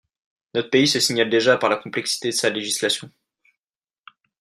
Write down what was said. Notre pays se signale déjà par la complexité de sa législation.